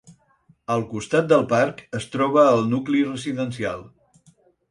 Al costat del parc es troba el nucli residencial.